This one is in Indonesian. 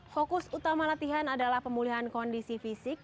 fokus utama latihan adalah pemulihan kondisi fisik